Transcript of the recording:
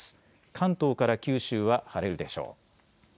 関東から九州は晴れるでしょう。